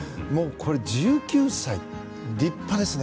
１９歳、立派ですね。